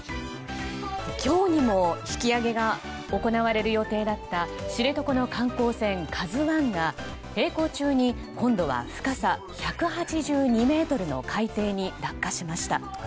今日にも引き揚げが行われる予定だった知床の観光船「ＫＡＺＵ１」がえい航中に今度は深さ１８２ｍの海底に落下しました。